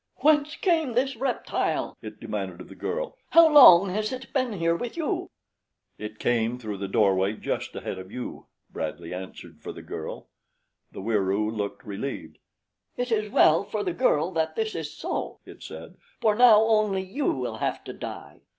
"Whence came this reptile?" it demanded of the girl. "How long has it been here with you?" "It came through the doorway just ahead of you," Bradley answered for the girl. The Wieroo looked relieved. "It is well for the girl that this is so," it said, "for now only you will have to die."